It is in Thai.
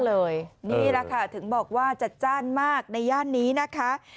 นี่แหละค่ะถึงบอกว่าจัดจ้านมากในย่านนี้นะคะ